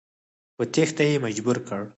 په تېښته یې مجبور کړ.